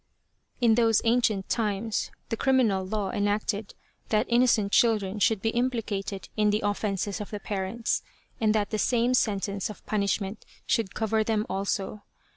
In those ancient times the criminal law enacted that innocent children should be implicated in the offences of the parents, and that the same sentence of punishment should cover them also.